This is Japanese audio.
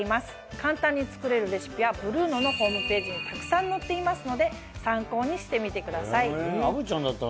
簡単に作れるレシピはブルーノのホームページにたくさん載っていますので参考にしてみてください。